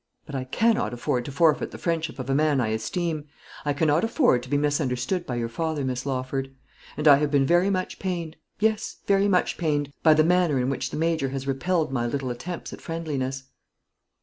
But I can_not_ afford to forfeit the friendship of a man I esteem; I cannot afford to be misunderstood by your father, Miss Lawford; and I have been very much pained yes, very much pained by the manner in which the Major has repelled my little attempts at friendliness."